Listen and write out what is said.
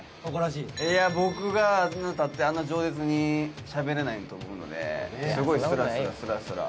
いや僕があそこに立ってあんな饒舌にしゃべれないと思うのですごいスラスラスラスラ